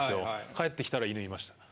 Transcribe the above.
帰ってきたら犬いました。